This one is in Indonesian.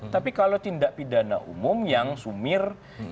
tapi kalau tindak pidana umum yang sumir tidak ada hal